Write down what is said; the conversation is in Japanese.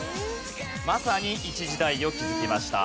まさに一時代を築きました。